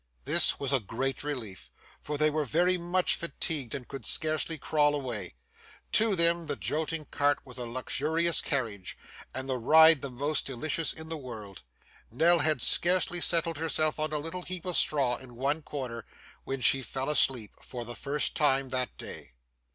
This was a great relief, for they were very much fatigued and could scarcely crawl along. To them the jolting cart was a luxurious carriage, and the ride the most delicious in the world. Nell had scarcely settled herself on a little heap of straw in one corner, when she fell asleep, for the first time that day.